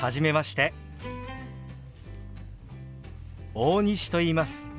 大西といいます。